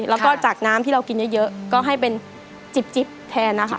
แล้วก็จากน้ำที่เรากินเยอะก็ให้เป็นจิ๊บแทนนะคะ